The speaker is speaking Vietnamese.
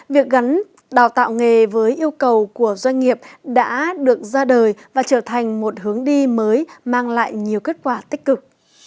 việc gắn đào tạo nghề với yêu cầu của doanh nghiệp đã được ra đời và trở thành một hướng đi mới mang lại nhiều kết quả tích cực